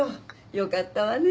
よかったわね！